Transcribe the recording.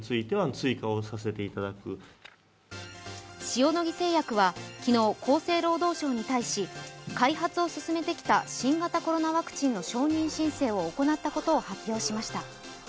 塩野義製薬は昨日厚生労働省に対し、開発を進めてきた新型コロナワクチンの承認申請を行ったことを発表しました。